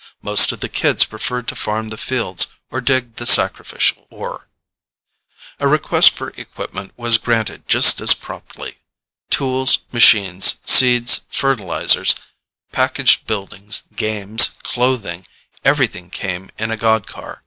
Most of the kids preferred to farm the fields or dig the sacrificial ore. A request for equipment was granted just as promptly. Tools, machines, seeds, fertilizers, packaged buildings, games, clothing everything came in a god car.